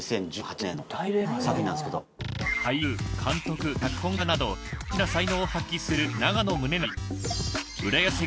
俳優監督脚本家などマルチな才能を発揮する永野宗典。